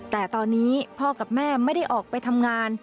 แต่ตอนนี้พ่อกับแม่ไม่ได้ออกไปทำงาน